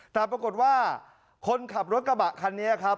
แต่ปรากฏว่าคนขับรถกระบะคันนี้ครับ